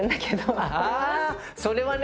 それはね